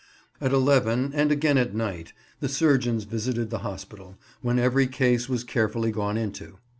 At 11, and again at night, the surgeons visited the hospital, when every case was carefully gone into.